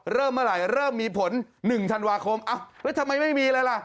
เริ่มเมื่อไหร่เริ่มมีผล๑ธันวาคมอ้าวแล้วทำไมไม่มีอะไรล่ะ